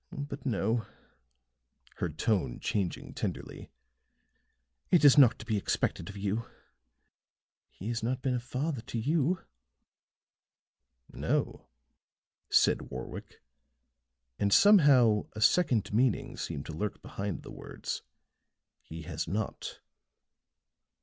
But no," her tone changing tenderly, "it is not to be expected of you. He has not been a father to you." "No," said Warwick, and somehow a second meaning seemed to lurk behind the words, "he has not."